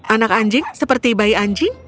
anak anjing seperti bayi anjing